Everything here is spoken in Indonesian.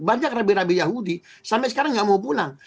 banyak rabi rabi yahudi sampai sekarang nggak mau pulang